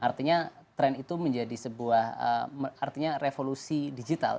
artinya tren itu menjadi sebuah artinya revolusi digital